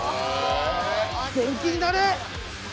電気になれ！